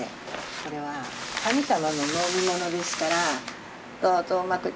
これは神様の飲み物ですからどうぞうまくできますように。